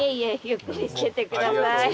ゆっくりしてってください。